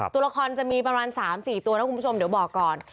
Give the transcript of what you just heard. ตัวละครจะมีประมาณ๓๔ตัวนะคุณผู้ชมเดี๋ยวบอกก่อน